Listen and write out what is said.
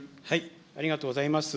ありがとうございます。